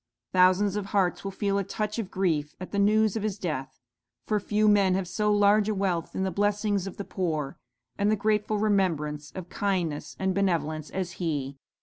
Thousands of hearts will feel a touch of grief at the news of his death; for few men have so large a wealth in the blessings of the poor, and the grateful remembrance of kindness and benevolence, as he.'